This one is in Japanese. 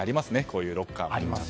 こういうロッカー。